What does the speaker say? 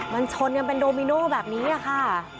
มันชนกันเป็นโดมิโน่แบบนี้ค่ะ